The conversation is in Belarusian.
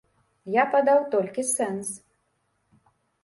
Я падаў толькі сэнс.